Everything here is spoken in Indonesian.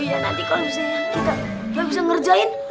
iya nanti kalau misalnya kita gak bisa ngerjain